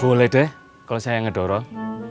boleh deh kalau saya ngedorong